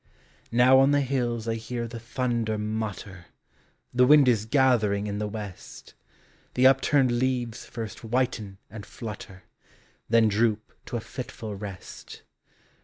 Now on the hills I hear the thunder mutter, The wind is gathering in the west; The upturned leaves first whiten and flutter, Then droop to a fitful rest; THE SEASONS.